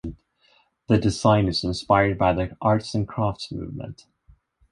The design is inspired by the arts and crafts movement.